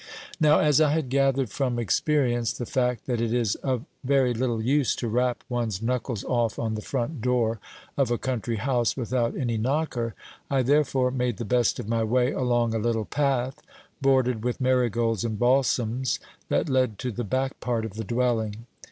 Now, as I had gathered from experience the fact that it is of very little use to rap one's knuckles off on the front door of a country house without any knocker, I therefore made the best of my way along a little path, bordered with marigolds and balsams, that led to the back part of the dwelling.